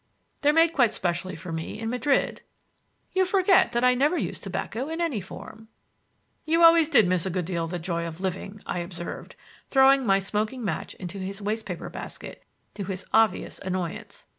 They're made quite specially for me in Madrid." "You forget that I never use tobacco in any form." "You always did miss a good deal of the joy of living," I observed, throwing my smoking match into his waste paper basket, to his obvious annoyance.